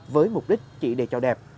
với mục đích chỉ để cho đẹp